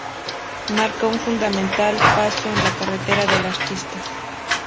Marca un fundamental paso en la carrera del artista.